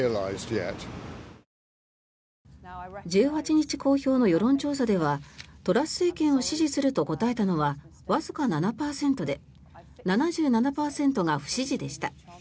１８日公表の世論調査ではトラス政権を支持すると答えたのはわずか７％で７７％が不支持でした。